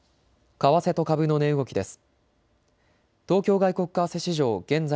為替と株の値動きです。